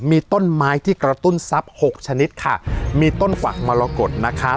มีต้นไม้ที่กระตุ้นทรัพย์หกชนิดค่ะมีต้นฝักมรกฏนะคะ